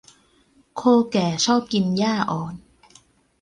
โคแก่ชอบกินหญ้าอ่อน